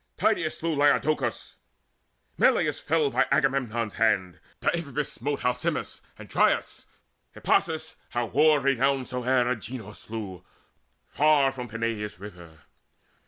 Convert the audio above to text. Tydeides slew Laodocus; Melius fell By Agamemnon's hand; Deiphobus Smote Alcimus and Dryas: Hippasus, How war renowned soe'er, Agenor slew Far from Peneius' river.